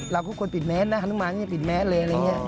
เราก็ควรปิดแม้นฮานุมานปิดแม้นเลย